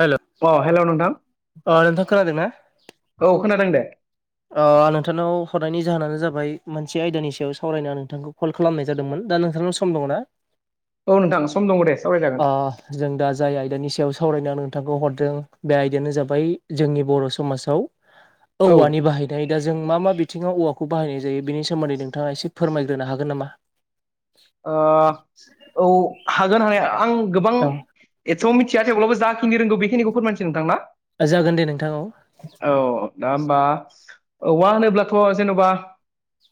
हेल' अ हेल' नोंथां अ नोंथां खोनादों औ खोनादों दे। ओ नोंथांनाव हरनायनि जाहोनानो जाबाय मोनसे आयदानि सायाव सावरायना नोंथांखौ कल खालामनाय जादोंमोन दा नोंथांनाव सम दङ ना? औ नोंथां सम दङ दे सावरायजागोन। अ जों दा जाय आयदानि सायाव सावरायनानै नोंथांखौ हरदों बे आयदायानो जाबाय जोंनि बर' समाजाव औ औवानि बाहाय नाय दा जों मा मा बिथिङाव औवाखौ बाहायनाय जायो बेनि सोमोन्दै नोंथाङा एसे फोरमाग्रोनो हागोन नामा? औ हागोन हानाय आं गोबां औ एसेथ' मिथिया थेवब्लाबो जाखिनि रोंगौ बेखिनिखौ फोरमायै नोंथां ना? जागोन दे नोंथां औ औ दा होमबा औवा होनोब्लाथ' जेन'बा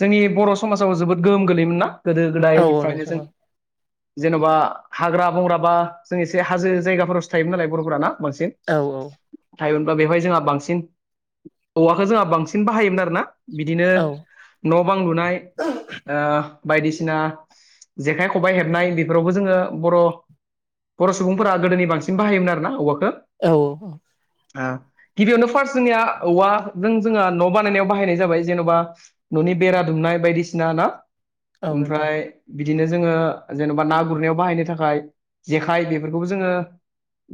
जोंनि बर' समाजाव जोबोद गोहोम गोगलैमोन ना गोदो औ गोदायनिफ्रायनो नोंथां जों जेन'बा हाग्रा बंग्रा बा जों एसे हाजो जायगाफोरावसो थायोमोन नालाय बर'फोरा ना बांसिन? औ औ थायोनबा बेवहाय जोंहा बांसिन औवाखौ जोंहा बांसिन बाहायोमोन आरो ना बिदिनो औ न' बां लुनाय बायदिसिना जेखाइ खबाय हेबनाय बेफोरावबो जोङो बर' बर' सुबुंफोरा गोदोनि बांसिन बाहायोमोन आरो ना औवाखो औ आ गिबियावनो फार्स्ट जोंनिया औवाजों जोंहा न' बानायनायाव बाहायनाय जाबाय जेन'बा न'नि बेरा दुमनाय बायदिसिना ना औ नोंथां ओमफ्राय बिदिनो जोङो जेन'बा ना गुरनायाव बाहायनो थाखाय जेखाइ बेफोरखौबो जोङो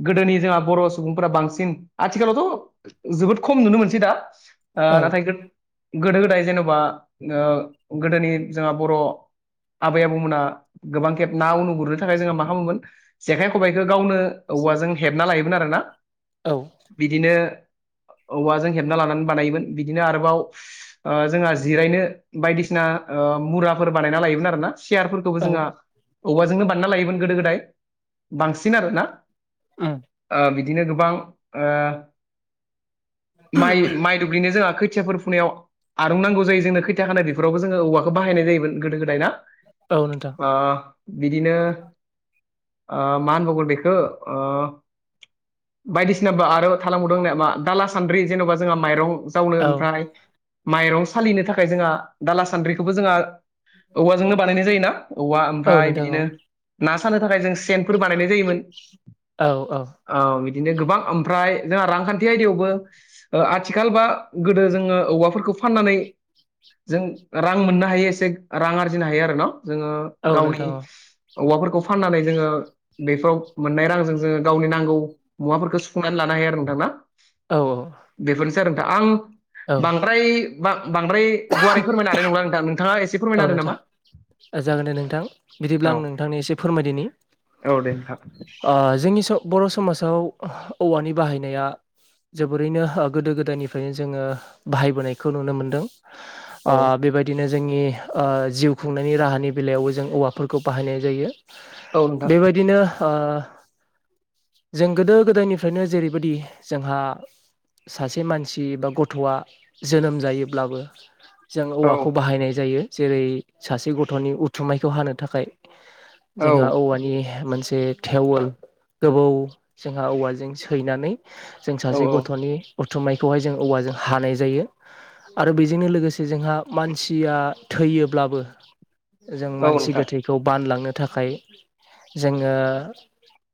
गोदोनि जोंहा बर' सुबुंफोरा बांसिन आथिखालावथ' जोबोद खम नुनो मोनसै दा ओ औ नाथाय गोदो गोदाय जेन'बा गोदोनि जोंहा बर' आबै आबौमोना गोबां खेब ना उनु गुरनो थाखाय जोंहा मा खालामोमोन जेखाइ खबाइखौ गावनो औवाजों हेबना लायोमोन आरो ना औ बिदिनो औवाजों हेबना लानानै बानायोमोन बिदिनो आरोबाव जोंहा जिरायनो बायदिसिना मुराफोर बानायना लायोमोन आरोना सियारफोरखौबो जोंहा औवाजोंनो बानना लायोमोन गोदो गोदाय बांसिन आरो ना उम ओ बिदिनो गोबां माइ माइ दुब्लिनो जोंहा खैथियाफोर फुनायाव आर' नांगौ जायो जोंनो खोथ थिया खानाय बेफोराव जोङो औवाखौ बाहायनाय जायोमोन गोदो गोदाय ना? औ नोंथां ओ बिदिनो आ मा होनबावगोन बेखौ बायदिसिनाबो आरो थालांबावदों होननाया दाला सान्द्रि जेन'बा जोंहा माइरं जावनो औ ओमफ्राय माइरं सालिनो थाखाय जोंहा दाला सान्द्रिखौबो जोंहा औवाजोंनो बानायनाय जायोना औवा औ ओमफ्राय नोंथां औ बिदिनो ना सानो थाखाय जों सेनफोर बानायनाय जायोमोन। औ औ बिदिनो गोबां ओमफ्राय जोंहा रांखान्थि आयदायावबो आथिखाल बा गोदो जोङो औवाफोरखौ फाननानै जों रां मोननो हायो एसे रां आरजिनो हायो आरो ना जोङो औ गावनि नोंथां औ औवाफोरखौ फाननानै जोङो बेफोराव मोननाय रांजों जोङो गावनि नांगौ मुवाफोरखौ सुफुंनानै लानो हायो आरो नोंथां ना। औ औ बेफोरनोसै आरो नोंथां आं औ बांद्राय बां-बांद्राय गुवारै फोरमायनो हानाय नंला नोंथां नोंथाङा एसे औ फोरमायना होदो नामा नोंथां जागोन दे नोंथां बिदिब्ला औ आं नोंथांनि एसे फोरमायदिनि औ दे नोंथां ओ जोंनि बर' समाजाव औवानि बाहायनाया जोबोरैनो ओ गोदो गोदायनिफ्रायनो जोङो बाहायबोनायखौ नुनो मोनदों। ओ औ बेबायदिनो जोंनि ओ जिउ खुंनायनि राहानि बेलायावबो जों औवाफोरखौ बाहायनाय जायो औ नोंथां बेबायदिनो ओ जों गोदो गोदायनिफ्रायनो जेरैबायदि जोंहा सासे मानसि बा गथ'आ जोनोम जायोब्लाबो जों औ औवाखौ बाहायनाय जायो जेरै सासे गथ'नि उथुमायखौ हानो थाखाय औ जोंहा औवानि मोनसे थेवोल गोबौ जोंहा औवाजों सैनानै जों औ सासे गथ'नि उथुमनायखौहाय जों औवाजों हानाय जायो आरो बेजोंनो लोगोसे जोंहा मानसिया थैयोब्लाबो जों औ मानसि नोंथां गोथैखौ बानलांनो थाखाय जोङो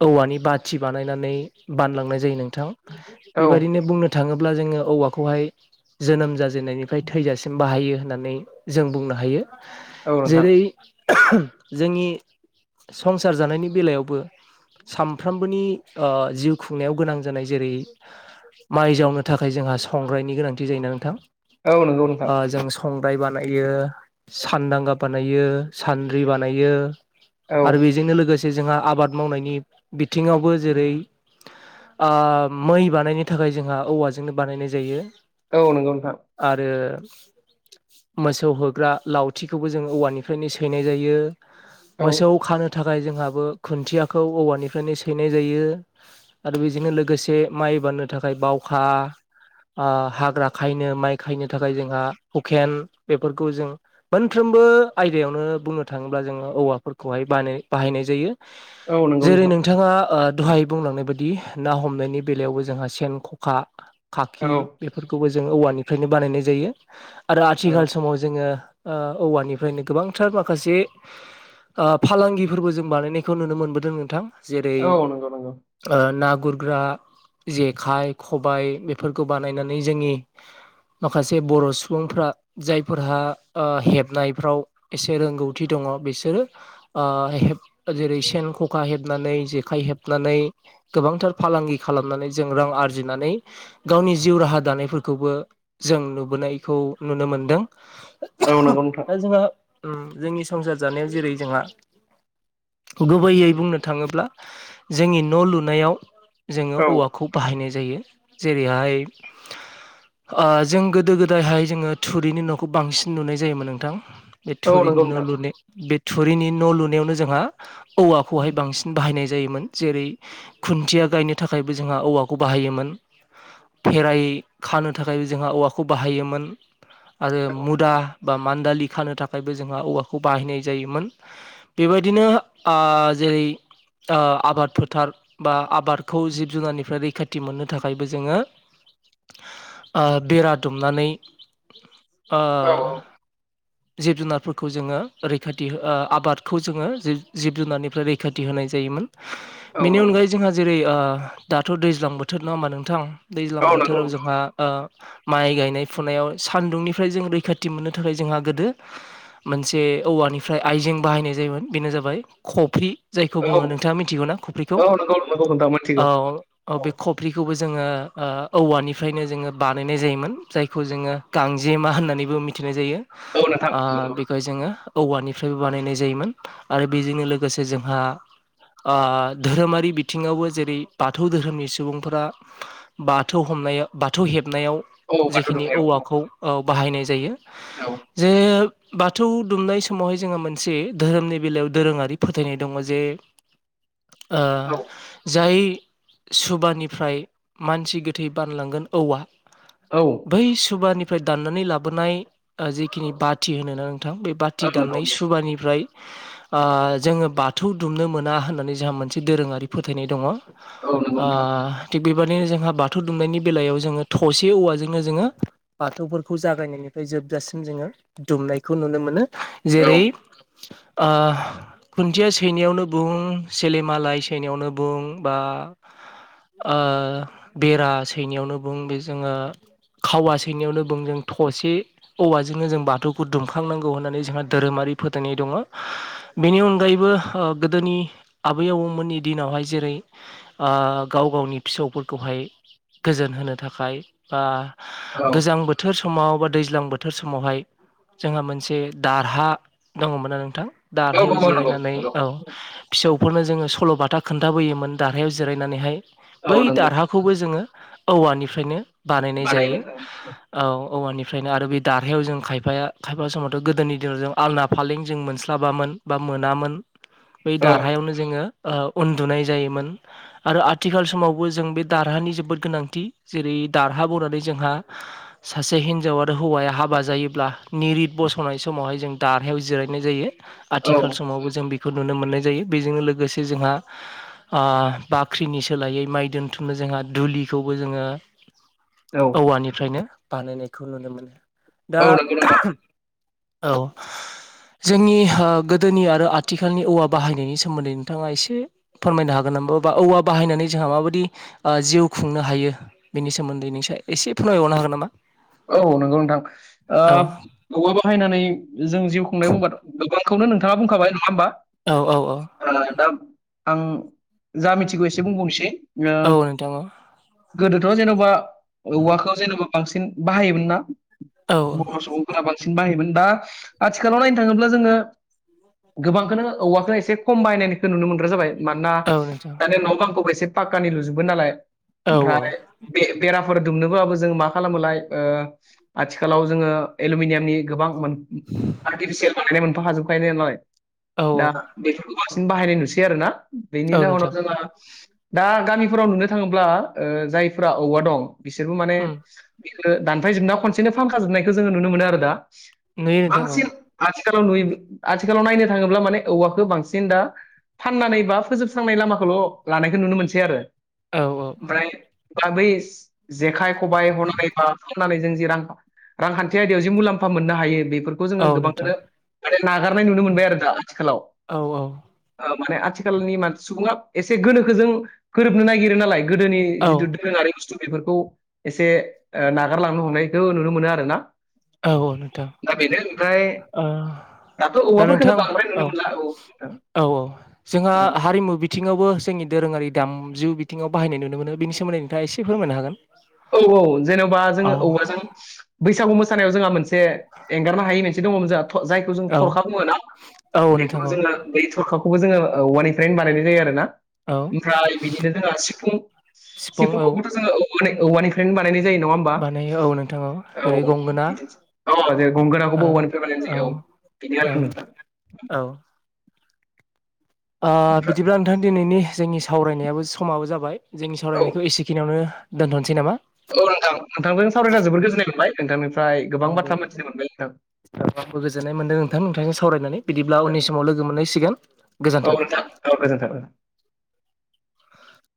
औवानि बाथि बानायनानै बानलांनाय जायो नोंथां। औ बेबायदिनो बुंनो थाङोब्ला जोङो औवाखौहाय जोनोम जाजेननायनिफ्राय थैजासिम बाहायो होननानै जों बुंनो हायो औ नोंथां जेरै जोंनि संसार जानायनि बेलायावबो सानफ्रोमबोनि जिउ खुंनायाव गोनां जानाय जेरै माइ जावनो थाखाय जोंहा संग्रायनि गोनांथि जायोना नोंथां औ नंगौ नोंथां ओ जों संग्राय बाना यो सानदांगा बानायो सान्द्रि बानायो। औ आरो बेजोंनो लोगोसे जोंहा आबाद मावनायनि बिथिङावबो जेरै ओ मै बानायनो थाखाय जोंहा औवाजोंनो बानायनाय जायो। औ नंगौ नोंथां आरो मोसौ होग्रा लावथिखौबो जोंङो औवानिफ्रायनो सैनाय जायो। औ मोसौ खानो थाखाय जोंहाबो खुन्थियाखौ औवानिफ्रायनो सैनाय जायो। आरो बेजोंनो लोगोसे माइ बान्नो थाखाय बावखा ओ हाग्रा खायनो माइ खायनो थाखाय जोंहा हुखेन बेफोरखौ जों मोनफ्रोमबो आयदायावनो बुंनो थाङोब्ला जोङो औवाफोरखौहाय बानाय बाहायनाय जायो। औ नंगौ जेरै नोंथां नोंथाङा ओ दहाय बुंलांनाय बायदि ना हमनायनि बेलायावबो जोंहा सेन खखा खाखि औ बेफोरखौबो जों औवानिफ्रायनो बानायनाय जायो आरो आथिखा औ लाव जोङो औवानिफ्रायनो गोबांथार माखासे फालांगिफोरबो जों बानायनायखौ नुनो मोनबोदों नोंथां जेरै औ नंगौ नंगौ ना गुरग्रा जेखाइ खबाय बेफोरखौ बानायनानै जोंनि माखासे बर' सुबुंफ्रा जायफोरहा हेबनायफ्राव एसे रोंगौथि दङ बिसोरो जेरै सेन खखा हेबनानै जेखाइ हेबनानै गोबांथार फालांगि खालामनानै जों रां आरजिनानै गावनि जिउ राहा दानायफोरखौबो जों नुबोनायखौ नुनो मो दा औ नंगौ नोंथां जोंहा ओ जोंनि संसार जानायाव जेरै जोंहा गुबैयै बुंनो थाङोब्ला जोंनि न' लुनायाव जोङो औ औवा -खौ बाहायनाय जायो जेरैहाय ओ जों गोदो गोदायहाय जोङो थु थुरिनि न'खौ बांसिन लुनाय जायोमोन नोंथां बे औ थुरिनि नंगौ न' नोंथां लुनाय बे थुरिनि न' लुनायावनो जोंहा औवाखौहाय बांसिन बाहायनाय जायोमोन जेरै - खुन्थिया गायनो थाखायबो जोंहा औवाखौ बाहायोमोन। फेराइ खानो थाखाय जोंहा औवाखौ बाहायोमोन। आरो औ मुदा बा मान्दालि खानो थाखायबो जोंहा औवाखौ बाहायनाय जायोमोन। बेबायदिनो ओ जेरै ओ आबाद फोथार बा आबारखौ जिब जुनारनिफ्राय रैखाथि मोननो थाखायबो जोङो ओ देरा दुमनानै ओ औ जिब जुनारफोरखौ जोङो रैखाथि हो ओ आबादखौ जोङो जिब जुनारनिफ्राय रैख -खाथि होनाय जायोमोन। औ बेनि नंगौ अनगायै जोंहा जेरै ओ दाथ' दैज्लां बोथोर नोङा होमबा नोंथां दैज्लां औ नंगौ बोथोराव जोंहा ओ माइ गायनाय फुनायाव सान्दुंनिफ्राय जों रैखाथि मोननो थाखाय जोंहा गोदो‌ मोनसे औवानिफ्राय आइजें बाहायनाय जायोमोन बेनो जाबाय खफ्रि। जायखौ औ बुङो नोंथाङा मिथिगौ ना खफ्रिखौ? औ नंगौ नंगौ नोंथां मिथिगौ औ। औ बे खफ्रिखौबो जोंङो ओ औवानिफ्रायनो जोंङो बानायनाय जायोमोन जायखौ जोंङो गांजेमा होननानैबो मिथिनाय जायो औ नोंथां आ नंगौ बे -फाय जोङो औवानिफ्रायबो बानायनाय जायोमोन आरो बेजोंनो लोगोसे जोंहा। ओ धोरोमारि बिथिंङावबो जेरै बाथौ धोरोमनि सुबुंफोरा बाथौ हमनायाव बाथौ हेबनायाव औ बाथौ जेखिनि दुमनायाव औवाखौ ओ बाहायनाय जायो। औ। जे [unintelligible] बाथौ दुमनाय समावहाय जोङो मोनसे धोरोमनि बेलायाव दोरोङारि फोथायनाय दङ जे ओ। औ जाय सुबानिफ्राय मानसि गोथै बानलांगोन औवा। औ। बै सुबानिफ्राय दाननानै लाबोनाय ओ जिखिनि बाथि होनोना नोंथां बे बाथि औ -थि नंगौ दान्नाय सुबानिफ्राय ओ जोंङो बाथौ दुमनो मोना होननानै जोंहा मोनसे दोरोंङारि फोथायनाय दंङ। औ नंगौ ओ नोंथां थिग बेबायदिनो जोंहा बाथौ दुमनायनि बेलायाव जोंङो थसे औवाजोंनो जोंङो बाथौफोरखौ जागायनायनिफ्राय जोबजासिम जोंङो दुमनायखौ नुनो मोनो औ जेरै ओ। खुन्थिया सैनायावनो बुं सेलिमालाइ सैनायावनो बुं बा ओ बेरा सैनायावनो बुं बे जोङा खावा सै बिनियावनो दं जों थसे औवाजोंनो जों बाथौखौ दुमखांनांगौ होननानै जोंहा धोरोमारि फोथायनाय दंङ। बेनि अनगायैबो ओ गोदोनि आबै आबौमोननि दिनावहाय जेरै - ओ गाव गावनि फिसौफोरखौहाय गोजोन होनो थाखाय बा औ गोजां बोथोर समाव बा दैज्लां बोथोर समावहाय जोंहा मोनसे दारहा दङमोनना नोंथां औ दारहायाव नंगौ नंगौ जिरायनानै औ। फिसौफोरनो जोङो सल' बाथा खोन्थाबोयोमोन दारहायाव जिरायनानैहाय। बै औ नंगौ दारहाखौबो जोंङो औवानिफ्रायनो बानायनाय बानायो जायो। नोंथां औ औवानिफ्रायनो आरो बे दारहायाव जों खायफा खायफा समावथ' गोदोनि दिनाव जों आलना फालें जों मोनस्लाबामोन बा मोनामोन‌। बै औ दारहायावनो जोंङो ओ। उन्दुनाय जायोमोन आरो आथिखाल समावबो जों बे दारहानि जोबोद गोनांथि जेरै दारहा बौनानै जोंहा [unintelligible] सासे हिनजाव आरो हौवाया हाबा जायोब्ला निरिद बसंनाय समावहाय जों दारहायाव जिरायनाय जायो। आथिखाल समावबो जों बेखौ नुनो मोननाय जायो। बेजोंनो लोगोसे जोंहा ओ बाख्रिनि सोलायै माइ दोनथुमनो जोंहा दुलिखौबो जोङो औ। औवानिफ्रायनो बानायनायखौ नुनो मोनो। दा औ नंगौ नोंथां औ जोंनि ओ गोदोनि आरो आथिखालनि औवा बाहायनायनि सोमोन्दै नोंथाङा एसे फोरमायनो हागोन नामा बा औवा बाहायनानै जोंहा माबायदि जिउ खुंनो हायो बिनि सोमोन्दै नोंसा एसे फोरमायबावनो हागोन नामा? औ नोंगौ नोंथां। ओ औ औवा बाहायनानै जों जिउ खुंनाय बुंबा गोबां खौनो नोंथाङा बुंखाबाय नङा होमबा? औ औ औ। दा आं जा मिथिगौ एसे बुंबावनोसै। ओ औ नोंथां औ गोदोथ' जेन'बा औवाखौ जेन'बा बांसिन बाहायोमोन ना। औ बर' सुबुंफोरा बांसिन बाहायोमोन। दा आथिखालाव नायनो थाङोब्ला जोङो गोबांखौनो औवाखौनो एसे खम बाहायनायनिखौ नुनो मोनग्रा जाबाय। मानोना औ नोंथां दानि न' बांखौबो एसे पाक्कानि लुजोबो नालाय। औ औ ओमफ्राय बे बेराफोर दुमनोबाबो जों मा खालामोलाय ओ आथिखालाव जोंङो एलमिनियामनि गोबां [unintelligible] आर्टिफिसियेल बानायनाय मोनफाखाजोबखायो नालाय औ दा बेफोरखौ बांसिन बाहायनाय नुसै आरोना। औ बेनि जाहोनाव नोंथां जोंहा दा गामिफोराव नुनो थांङोब्ला ओ जायफोरा औवा दं बिसोरबो माने उम बिआओ दानफाय जोबनाय खनसेनो फानखा जोबनायखौ जोङो नुनो मोनो आरो दा। नुयो नोंथां औ बांसिन आथिखालाव नुयो आथिखालाव नायनो थांङोब्ला माने औवाखौ बांसिन दा फाननानै बा फोजोबस्रांनाय लामाखौल' लानायखौ नुनो मोनसै आरो। औ औ ओमफ्राय बा बै जेखाय, खबाइ हनाय खालामनानै जों जि रां रांखान्थि आयदायाव जि मुलाम्फा मोननो हायो बेफोर खौ जोङो औ नोंथां गोबांखोनो माने नागारनाय नुनो मोनबाय औ आरो दा आथिखालाव। औ ओ माने आथिखालनि मानसि सुबुंङा एसे गोनोखोजों गोरोबनो नागिरो नालाय। गोदोनि औ जिथु दोरोङारि बुस्थु बेफोरखौ एसे ओ नागारलांनो हमनायखौ नुनो मोनो आरोना। औ नोंथां दा बेनो ओमफ्राय ओ दाथ' दा औमाफोरखौनो नोंथां बांद्राय नुनो मोनला औ। औ औ जोंहा नोंथां हारिमु बि बिथिङावबो जोंनि दोरोङारि दामजु बिथिङाव बाहायनाय नुनो मोनो बेनि सोमोन्दै नोंथाङा एसे फोरमायनो हागोन। औ औ जेनेबा औ जोङो औवाजों बैसागु मोसानायाव जोंहा मोनसे एंगारनो हायि मोनसे दङमोन जोहा थ जायखौ जों औ थरखा बुङोना। औ नोंथां बेखौनो औ जोङो बै थरखाखौबो जोङो औवानिफ्रायनो बानायनाय जायो आरोना। औ ओमफ्राय बिदिनो जोंहा सिफुं सिफुं औ सिफुंफोरखौथ' जोंङो औवानि औवानिफ्रायनो बानायनाय जायो नङा बा बानायो औ नोंथां औ जेरै गंगोना औ जेरै औ गंगोनाखौबो औवानिफ्राय बानायनाय औ। बिदि औ आरो नोंथां। औ। ओ बिदिब्ला नोंथां दिनैनि जोंनि सावरायनायाबो समाबो जाबाय जोंनि औ सावरायनायखौ एसेखिनियावनो दोनथ'नसै नामा? औ नोंथां नोंथांजों सावरायना जोबोद गोजोननाय मोनबाय नोंथांनिफ्राय गोबां आंबो बाथ्रा मिथिनो मोनबाय नोंथां। आंबो गोजोननाय मोनदों नोंथां नोंथांजों सावरायनानै बिदिब्ला उननि समाव लोगो मोनलायसिगोन गोजोन्थों। औ‌ गोजोन्थों।